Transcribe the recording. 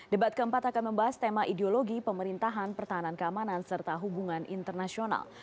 debat keempat akan membahas tema ideologi pemerintahan pertahanan keamanan serta hubungan internasional